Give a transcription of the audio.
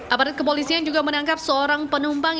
aparat kepolisian juga menangkap seorang penumpang